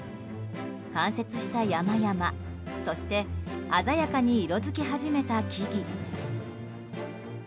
冠雪した山々、そして鮮やかに色づき始めた木々。